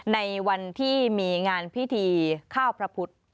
ในวันที่มีงานพิธีข้าวพระพุทธ